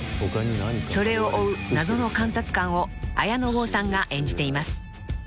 ［それを追う謎の監察官を綾野剛さんが演じています］